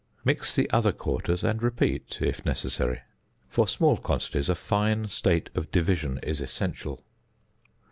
Mix the other quarters, and repeat (if necessary). For small quantities a fine state of division is essential.